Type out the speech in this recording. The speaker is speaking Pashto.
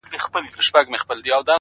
• چی له ظلمه تښتېدلی د انسان وم ,